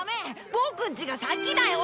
ボクんちが先だよ！